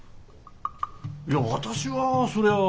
いや私はそりゃあ。